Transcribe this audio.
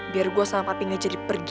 biar gua sama papi ngajari pergi